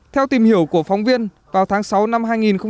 theo tìm hiểu của phóng viên vào tháng sáu năm hai nghìn một mươi chín